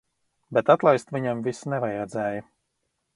Bet atlaist viņam vis nevajadzēja.